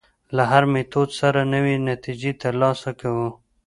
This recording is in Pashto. له هر میتود سره نوې نتیجې تر لاسه کوو.